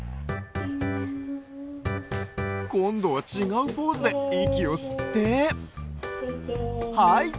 こんどはちがうポーズでいきをすってはいて。